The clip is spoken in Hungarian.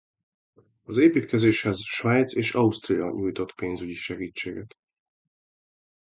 Az építkezéshez Svájc és Ausztria nyújtott pénzügyi segítséget.